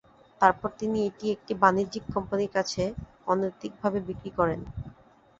তারপর তিনি এটি একটি বাণিজ্যিক কোম্পানির কাছে অনৈতিকভাবে বিক্রি করেন।